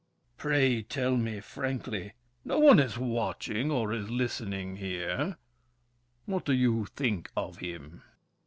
Pray, tell me frankly— No one is watching or is listening here— What do you think of him?